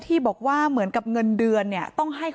พูดว่าก็ต้องเซ็นคำสั่งให้ออก